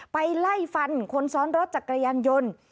ไปไล่ฟันคนซ้อนรถจักรยานยนต์